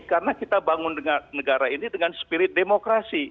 karena kita bangun negara ini dengan spirit demokrasi